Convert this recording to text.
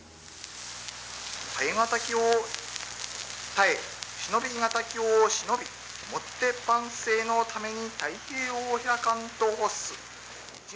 耐え難きを耐え忍び難きを忍びもって万世のために太平を開かんと欲す。